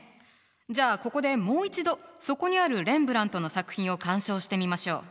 じゃあここでもう一度そこにあるレンブラントの作品を鑑賞してみましょう。